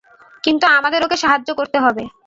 কিন্তু আমাদের ওকে সাহায্য করতে হবে।